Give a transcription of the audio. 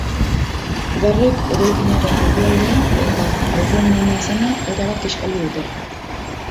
Garrek eraikinaren erdialdea eta haurren gunea zena erabat kiskali dute.